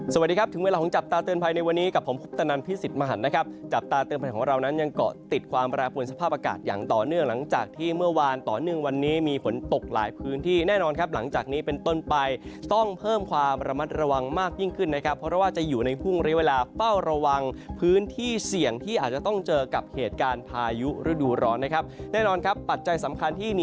สวัสดีครับถึงเวลาของจับตาเตือนภัยในวันนี้กับผมพุทธนันทร์พิสิทธิ์มหันต์นะครับจับตาเตือนภัยของเรานั้นยังเกาะติดความระบวนสภาพอากาศอย่างต่อเนื่องหลังจากที่เมื่อวานต่อเนื่องวันนี้มีผลตกหลายพื้นที่แน่นอนครับหลังจากนี้เป็นต้นไปต้องเพิ่มความระมัดระวังมากยิ่งขึ้นนะครับเพ